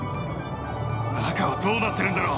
中はどうなってるんだろう？